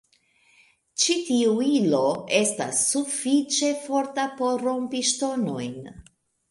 Ĉi tiu ilo estas sufiĉe forta por rompi ŝtonojn.